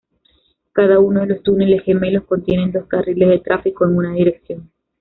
Cada uno de los túneles gemelos contiene dos carriles de tráfico en una dirección.